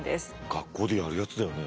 学校でやるやつだよね。